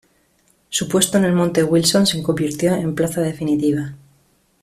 Su puesto en el Monte Wilson se convirtió en plaza definitiva.